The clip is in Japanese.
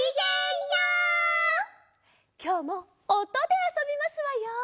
きょうもおとであそびますわよ。